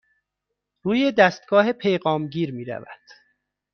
روی دستگاه پیغام گیر می رود.